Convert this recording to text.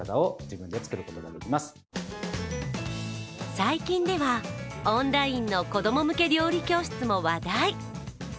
最近では、オンラインの子供向け料理教室も話題。